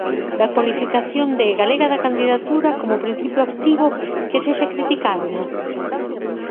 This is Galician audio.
Da cualificación de "galega da candidatura" como principio activo que sexa criticábel?